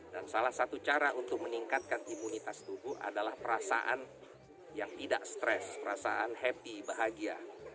dan salah satu cara untuk meningkatkan imunitas tubuh adalah perasaan yang tidak stres perasaan happy bahagia